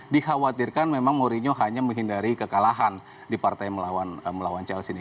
dikhawatirkan memang mourinho hanya menghindari kekalahan di partai melawan chelse ini